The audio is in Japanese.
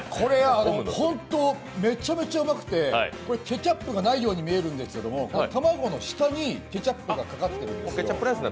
本当めちゃめちゃうまくてケチャップがないように見えるんですけど卵の下にケチャップがかかっているんですよ。